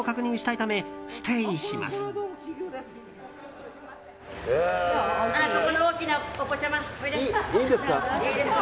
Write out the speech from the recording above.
いいんですか。